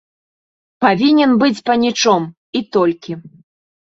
Павінен быць панічом, і толькі.